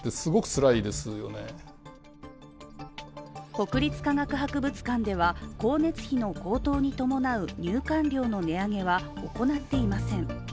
国立科学博物館では光熱費の高騰に伴う入館料の値上げは行っていません。